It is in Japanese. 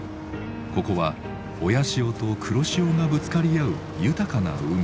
ここは親潮と黒潮がぶつかり合う豊かな海。